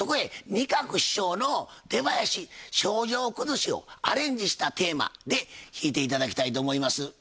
仁鶴師匠の出囃子「猩々くずし」をアレンジしたテーマで弾いて頂きたいと思います。